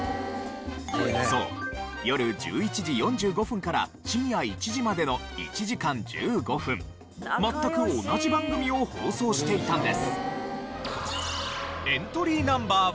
そうよる１１時４５分から深夜１時までの１時間１５分全く同じ番組を放送していたんです。